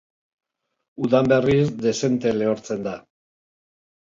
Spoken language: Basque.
Udan, berriz, dezente lehortzen da.